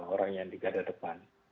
orang yang digadah depan